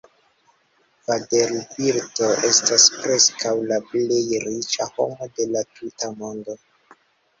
Vanderbilto estas preskaŭ la plej riĉa homo de la tuta mondo.